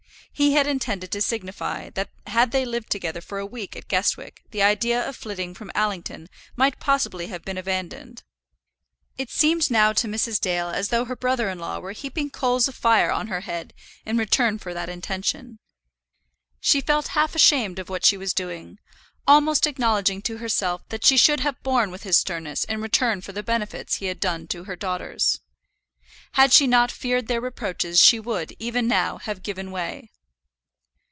He had intended to signify that had they lived together for a week at Guestwick the idea of flitting from Allington might possibly have been abandoned. It seemed now to Mrs. Dale as though her brother in law were heaping coals of fire on her head in return for that intention. She felt half ashamed of what she was doing, almost acknowledging to herself that she should have borne with his sternness in return for the benefits he had done to her daughters. Had she not feared their reproaches she would, even now, have given way.